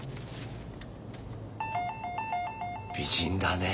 美人だね。